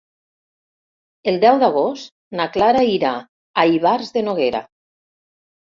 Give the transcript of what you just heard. El deu d'agost na Clara irà a Ivars de Noguera.